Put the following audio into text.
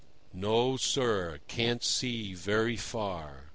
"No, sir. Can't see very far."